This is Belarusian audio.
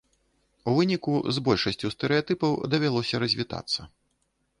У выніку з большасцю стэрэатыпаў давялося развітацца.